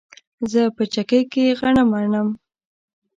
زه په چکۍ کې غنم اڼم